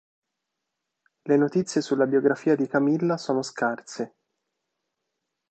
Le notizie sulla biografia di Camilla sono scarse.